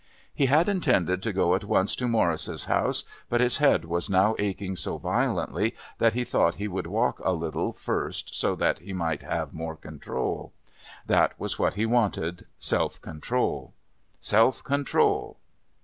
He had intended to go at once to Morris's house, but his head was now aching so violently that he thought he would walk a little first so that he might have more control. That was what he wanted, self control! self control!